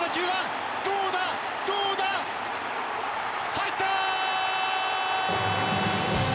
入った！